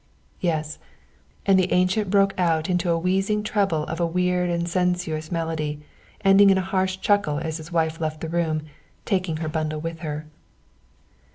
yes," and the ancient broke out into a wheezing treble of a weird and sensuous melody, ending in a harsh chuckle as his wife left the room, taking her bundle with her.